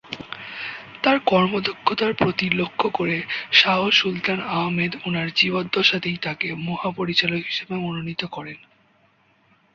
তার কর্মদক্ষতার প্রতি লক্ষ্য করে শাহ সুলতান আহমদ ওনার জীবদ্দশাতেই তাকে মহাপরিচালক হিসেবে মনোনীত করেন।